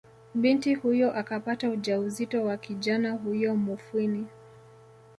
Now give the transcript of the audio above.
Binti huyo akapata ujauzito wa kijana huyo Mufwini